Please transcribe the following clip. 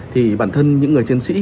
thì bản thân những người chiến sĩ